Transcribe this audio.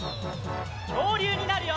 きょうりゅうになるよ！